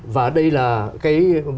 và đây là